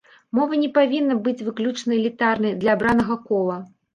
Мова не павінна быць выключна элітарнай, для абранага кола.